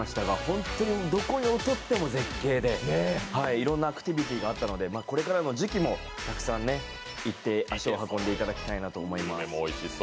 本当にどこをとっても絶景でいろんなアクティビティがあったのでこれからの時期もたくさん足を運んでいただきたいと思います。